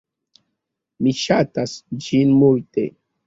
Mi ŝatas ĝin multe!